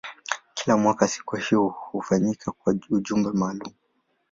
Kila mwaka siku hiyo hufanyika kwa ujumbe maalumu.